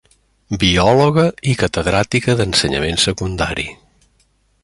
Biòloga i Catedràtica d'Ensenyament Secundari.